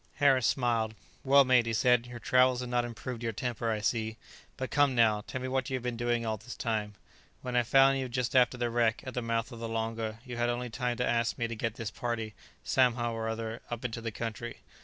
Harris smiled. "Well, mate," he said; "your travels have not improved your temper, I see. But come now, tell me what you have been doing all this time. When I found you just after the wreck, at the mouth of the Longa, you had only time to ask me to get this party, somehow or other, up into the country.